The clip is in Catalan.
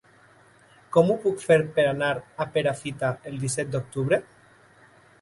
Com ho puc fer per anar a Perafita el disset d'octubre?